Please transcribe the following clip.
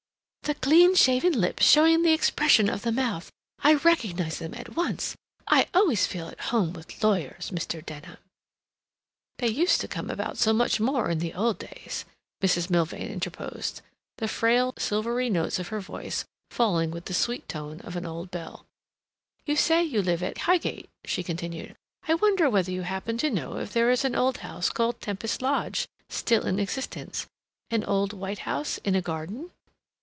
"The clean shaven lips, showing the expression of the mouth! I recognize them at once. I always feel at home with lawyers, Mr. Denham—" "They used to come about so much in the old days," Mrs. Milvain interposed, the frail, silvery notes of her voice falling with the sweet tone of an old bell. "You say you live at Highgate," she continued. "I wonder whether you happen to know if there is an old house called Tempest Lodge still in existence—an old white house in a garden?"